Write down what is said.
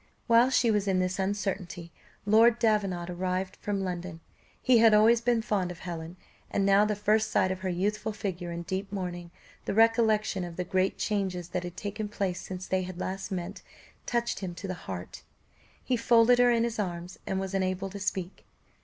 While she was in this uncertainty, Lord Davenant arrived from London; he had always been fond of Helen, and now the first sight of her youthful figure in deep mourning, the recollection of the great changes that had taken place since they had last met, touched him to the heart he folded her in his arms, and was unable to speak.